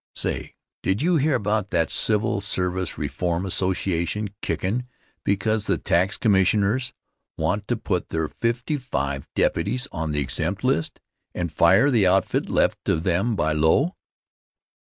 Say, did you hear about that Civil Service Reform Association kickin' because the tax commissioners want to put their fifty five deputies on the exempt list, and fire the outfit left to them by Low?